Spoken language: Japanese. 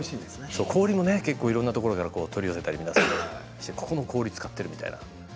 そう氷もね結構いろんな所から取り寄せたり皆さんしてここの氷使ってるみたいな。